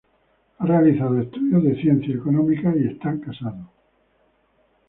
Ha realizado estudios de Ciencias Económicas y está casado.